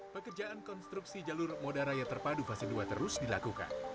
pekerjaan konstruksi jalur moda raya terpadu fase dua terus dilakukan